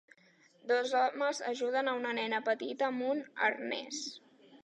Dos home ajuden una nena petita amb un arnès.